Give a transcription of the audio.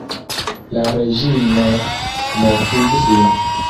La reĝino mortigis lin.